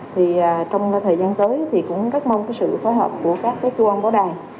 thì trong thời gian tới thì cũng rất mong cái sự phối hợp của các cái chú ông bó đàn